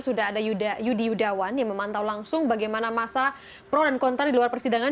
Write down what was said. sudah ada yudi yudawan yang memantau langsung bagaimana masa pro dan kontra di luar persidangan